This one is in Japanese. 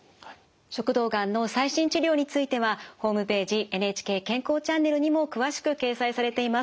食道がんの最新治療についてはホームページ「ＮＨＫ健康チャンネル」にも詳しく掲載されています。